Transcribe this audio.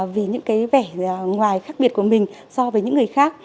vì những cái vẻ ngoài khác biệt của mình so với những người khác